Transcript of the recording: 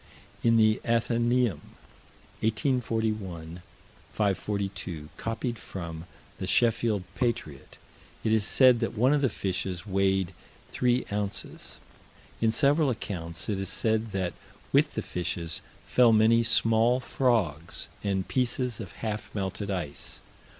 In the Athenæum, 1841 542, copied from the Sheffield Patriot, it is said that one of the fishes weighed three ounces. In several accounts, it is said that, with the fishes, fell many small frogs and "pieces of half melted ice."